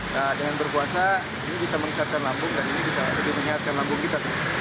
nah dengan berpuasa ini bisa meningkatkan lambung dan ini bisa lebih menyehatkan lambung kita